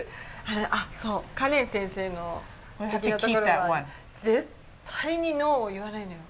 あっ、そう、カレン先生のすてきなところは、絶対に“ノー”を言わないのよ。